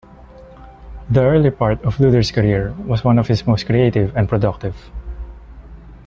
This early part of Luther's career was one of his most creative and productive.